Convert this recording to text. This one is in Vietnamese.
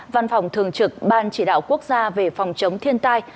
văn phòng thường trực ban chỉ đạo quốc gia về phòng chống thiên tai